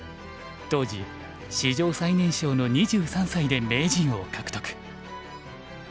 当時史上最年少の２３歳で名人を獲得。